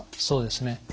そうですね。